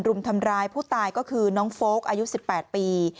รุมทำร้ายผู้ตายก็คือน้องโฟลกอายุ๑๘ปี